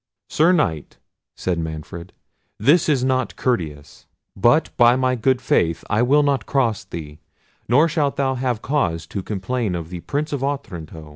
"Sir Knight," said Manfred, "this is not courteous, but by my good faith I will not cross thee, nor shalt thou have cause to complain of the Prince of Otranto.